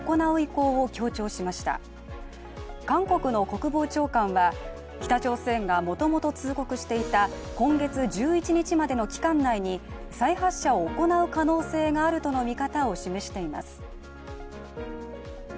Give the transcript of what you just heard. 韓国の国防長官は北朝鮮がもともと通告していた今月１１日までの期間内に再発射を行う可能性があるとの見方を示しています。